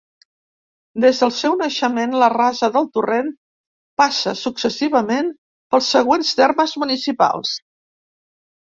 Des del seu naixement, la Rasa del Torrent passa successivament pels següents termes municipals.